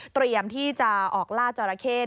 เตรียมที่จะออกหล่าจอโลกเทะ